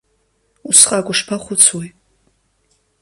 Усҟак ушԥахәыцуеи!